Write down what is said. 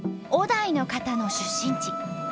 於大の方の出身地。